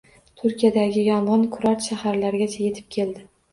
Turkiyadagi yong‘in kurort shaharlargacha yetib keldi